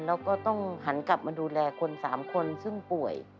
แล้วก็ต้องหันกลับมาดูแลคน๓คนซึ่งป่วย